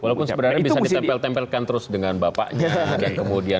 walaupun sebenarnya bisa ditempel tempelkan terus dengan bapaknya